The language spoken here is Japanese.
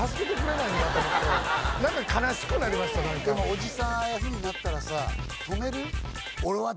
おじさんああいうふうになったらさ。